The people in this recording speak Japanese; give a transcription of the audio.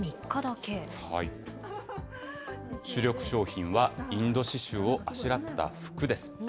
主力商品はインド刺しゅうをあしらった服です。